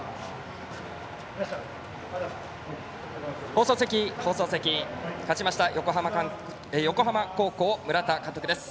放送席、放送席勝ちました横浜高校村田監督です。